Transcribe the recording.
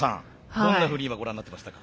どんなふうに今ご覧なってましたか？